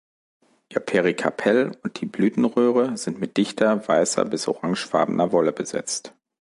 Ihr Perikarpell und die Blütenröhre sind mit dichter, weißer bis orangefarbener Wolle besetzt.